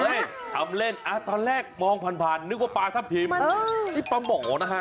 ทำเล่นตอนแรกมองผ่านนึกว่าปลาทับทิมนี่ปลาหมอนะฮะ